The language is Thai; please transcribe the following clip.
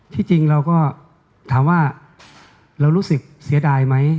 จริงเราก็ถามว่าเรารู้สึกเสียดายไหม